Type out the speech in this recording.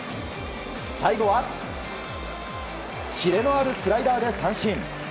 最後は、キレのあるスライダーで三振。